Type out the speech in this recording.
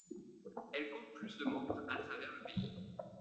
Elle compte plus de membres à travers le pays.